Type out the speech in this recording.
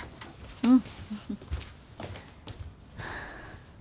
うん。